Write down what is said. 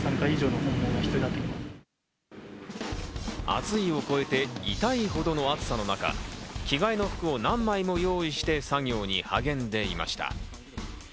暑いを超えて痛いほどの暑さの中、着替えの服を何枚も用意して作業に励んでいました。